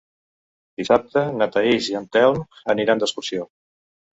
Dissabte na Thaís i en Telm aniran d'excursió.